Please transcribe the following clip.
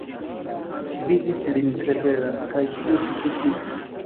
Ŝi vidis lin tre bela, kaj tio sufiĉis.